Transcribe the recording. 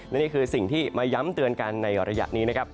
และนี่คือสิ่งที่มาย้ำเตือนกันในระยะนี้นะครับ